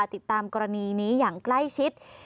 ติดตามกรณีนี้อย่างใกล้ชิด